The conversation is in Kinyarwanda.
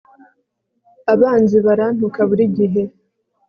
abanzi barantuka buri gihe